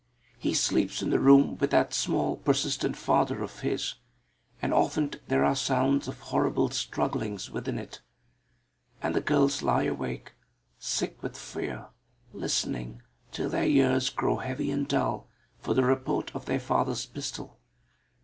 He sleeps in the room with that small, persistent father of his, and often there are sounds of horrible strugglings within it. And the girls lie awake, sick with fear, listening, till their ears grow heavy and dull, for the report of their father's pistol.